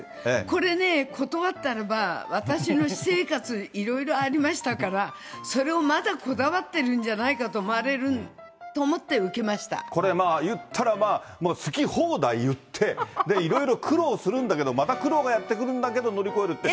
これね、断ったらば、私の私生活、いろいろありましたから、それをまだこだわってるんじゃないかとこれ、いったらまあ、もう好き放題言って、いろいろ苦労するんだけど、また苦労がやって来るんだから、乗り越えるって。